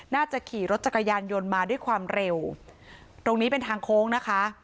น่าจะขี่รถจักรยานยนต์มาด้วยความเร็วตรงนี้เป็นทางโค้งนะคะ